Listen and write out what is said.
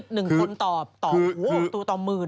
หนึ่งคนต่อต่อหัวตัวต่อหมื่น